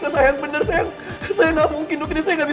saya udah coba gerakin dari tadi